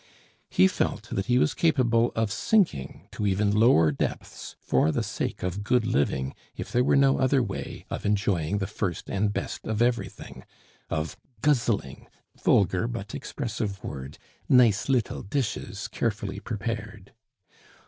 He felt that he was capable of sinking to even lower depths for the sake of good living, if there were no other way of enjoying the first and best of everything, of guzzling (vulgar but expressive word) nice little dishes carefully prepared.